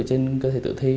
trên cơ thể tự thi